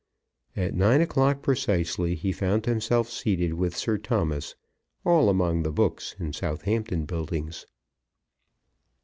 At nine o'clock precisely he found himself seated with Sir Thomas, all among the books in Southampton Buildings.